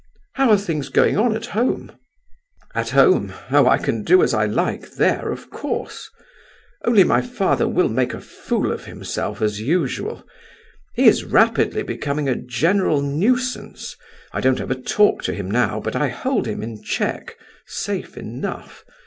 How are things going on at home?" "At home? Oh, I can do as I like there, of course; only my father will make a fool of himself, as usual. He is rapidly becoming a general nuisance. I don't ever talk to him now, but I hold him in check, safe enough.